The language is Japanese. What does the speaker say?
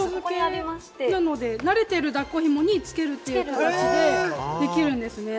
なので、慣れてる抱っこひもにつけてできるんですね。